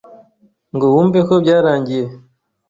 ngo wumve ko byarangiye